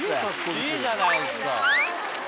いいじゃないですか。